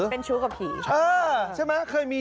เป็นชู้กับผี